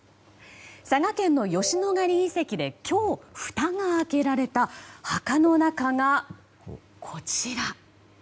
佐賀県の吉野ヶ里遺跡で今日、ふたが開けられた墓の中が、こちら。